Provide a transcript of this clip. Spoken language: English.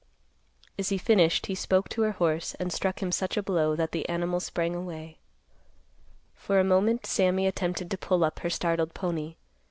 As he finished, he spoke to her horse and struck him such a blow that the animal sprang away. For a moment Sammy attempted to pull up her startled pony.